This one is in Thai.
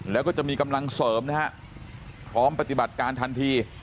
แล้วก็จะมีกำลังเสริมนะฮะพร้อมปฏิบัติการทันที